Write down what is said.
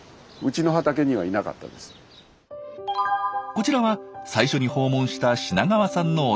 こちらは最初に訪問した品川さんのお宅。